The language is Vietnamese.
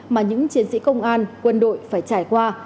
mà những chiến sĩ công an quân đội phải trải qua